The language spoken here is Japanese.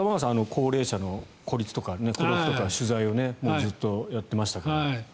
高齢者の孤立とか孤独とか取材をずっとやってましたが。